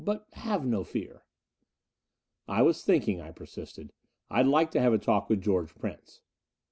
But have no fear " "I was thinking," I persisted, "I'd like to have a talk with George Prince."